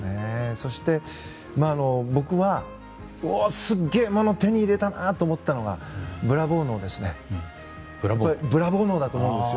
そして、僕はおお、すごいもの手に入れたなと思ったのがブラボー脳だと思うんですよ。